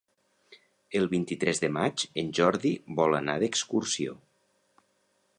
El vint-i-tres de maig en Jordi vol anar d'excursió.